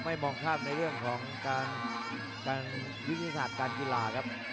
มองข้ามในเรื่องของการวิทยาศาสตร์การกีฬาครับ